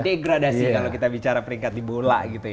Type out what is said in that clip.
degradasi kalau kita bicara peringkat di bola gitu ya